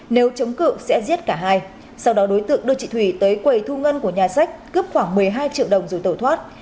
nếu chống cự sẽ giết cả hai sau đó đối tượng đưa chị thủy tới quầy thu ngân của nhà sách cướp khoảng một mươi hai triệu đồng rồi tẩu thoát